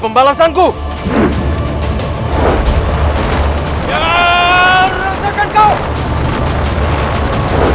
apa yang kamu lakukan